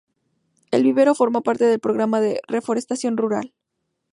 El Vivero forma parte del Programa de Reforestación Rural.